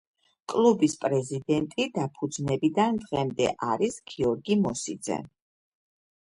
კლუბის პრეზიდენტი დაფუძნებიდან დღემდე არის გიორგი მოსიძე.